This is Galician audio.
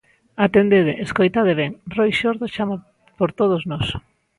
Atendede, escoitade ben: Roi Xordo chama por todos nós.